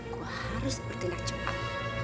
gua harus bertindak cepat